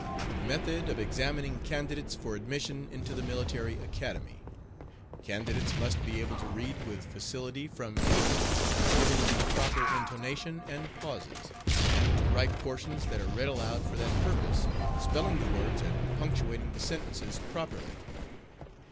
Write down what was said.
Method of Examining Candidates for Admission into the Military Academy. Candidates must be able to read with facility from any book, giving the proper intonation and pauses, and to write portions that are read aloud for that purpose, spelling the words and punctuating the sentences properly.